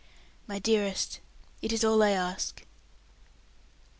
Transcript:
"My dearest! It is all I ask."